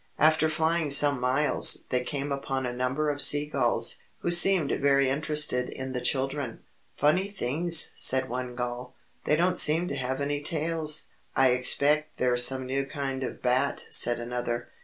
After flying some miles, they came upon a number of sea gulls, who seemed very interested in the children. "Funny things," said one gull. "They don't seem to have any tails." "I expect they're some new kind of bat," said another.